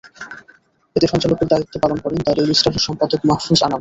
এতে সঞ্চালকের দায়িত্ব পালন করেন দ্য ডেইলি স্টার-এর সম্পাদক মাহ্ফুজ আনাম।